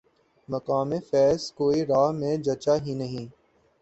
مقام فیضؔ کوئی راہ میں جچا ہی نہیں